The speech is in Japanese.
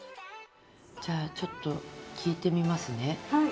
じゃあちょっと聞いてみますね。